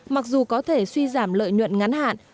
mặc dù có thể suy giảm lợi nhuận ngắn hạn